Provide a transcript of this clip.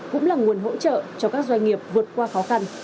cũng là nguồn hỗ trợ cho các doanh nghiệp vượt qua khó khăn